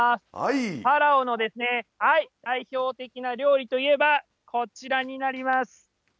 パラオの代表的な料理といえば、こちらになります。